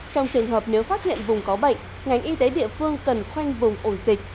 trong trường hợp nếu phát hiện vùng có bệnh ngành y tế địa phương cần khoanh vùng ổ dịch